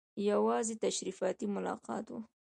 یوازې تشریفاتي ملاقات وو.